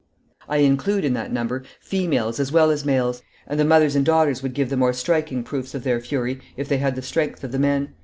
I include in that number females as well as males, and the mothers and daughters would give the more striking proofs of their fury if they had the strength of the men.